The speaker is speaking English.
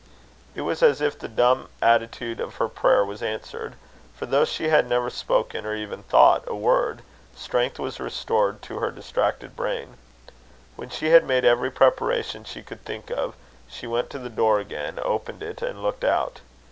It was as if the dumb attitude of her prayer was answered; for though she had never spoken or even thought a word, strength was restored to her distracted brain. When she had made every preparation she could think of, she went to the door again, opened it, and looked out.